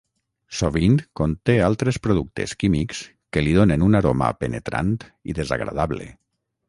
Sovint conté altres productes químics que li donen un aroma penetrant i desagradable.